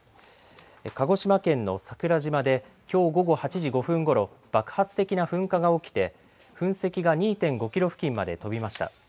鹿児島県の桜島できょう午後８時５分ごろ爆発的な噴火が起きて噴石が２．５キロ付近まで飛びました。